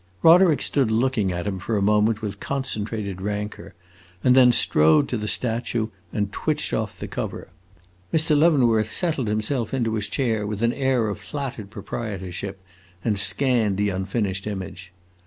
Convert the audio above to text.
Roderick stood looking at him for a moment with concentrated rancor, and then strode to the statue and twitched off the cover. Mr. Leavenworth settled himself into his chair with an air of flattered proprietorship, and scanned the unfinished image.